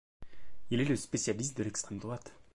Il est spécialiste de l'extrême droite.